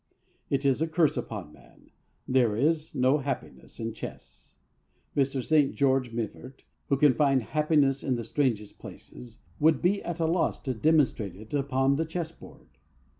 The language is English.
It is a curse upon a man. There is no happiness in chess Mr. St. George Mivart, who can find happiness in the strangest places, would be at a loss to demonstrate it upon the chess board.